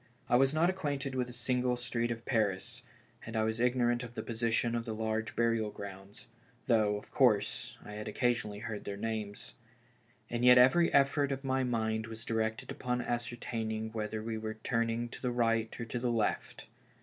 I was not acquainted with a single street of Paris, and I was ignorant of the position of the large burial grounds (though, of course, I had occasionally heard their names), and yet every effort THE FUNERAL. 263 of my mind was directed upon ascertaining whether we were turning to the right or to the left.